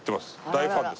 大ファンです